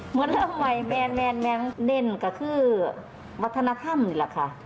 เหมือนเล่าไม่แน่นก็คือวัฒนธรรมนี่ล่ะค่ะ